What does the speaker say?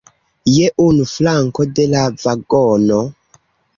Je unu flanko de la vagono.